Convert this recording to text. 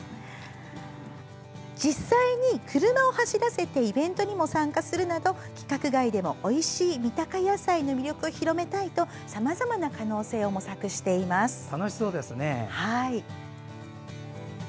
実際に車を走らせてイベントにも参加するなど規格外でもおいしい三鷹野菜の魅力を広めたいとさまざまな可能性を模索しています。